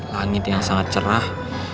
langit yang sangat cerah